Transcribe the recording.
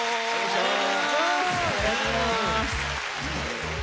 お願いします！